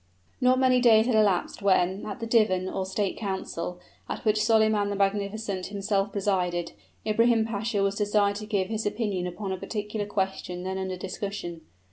Not many days had elapsed when, at a divan or state council, at which Solyman the Magnificent himself presided, Ibrahim Pasha was desired to give his opinion upon a particular question then under discussion.